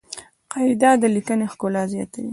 قاعده د لیکني ښکلا زیاتوي.